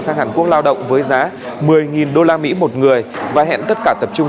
sang hàn quốc lao động với giá một mươi usd một người và hẹn tất cả tập trung